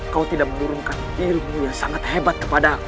kau tidak menurunkan dirimu yang sangat hebat kepada aku